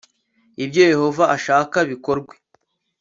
ibyo yehova ashaka bikorwe